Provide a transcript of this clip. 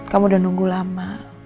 kamu udah nunggu lama